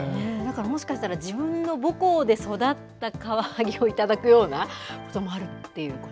もしかしたら、自分の母校で育ったカワハギを頂くようなこともあるってこと？